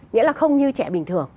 nghĩa là không như trẻ bình thường